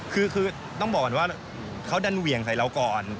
คือต้องบอกก่อนว่าเขาดันเหวี่ยงใส่เราก่อน